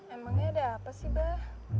emangnya ada apa sih bah